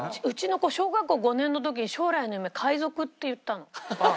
うちの子小学校５年の時に将来の夢海賊って言ったの。